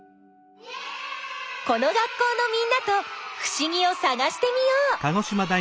この学校のみんなとふしぎをさがしてみよう！